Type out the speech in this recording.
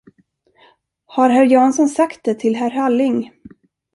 Har herr Jansson sagt det till herr Halling?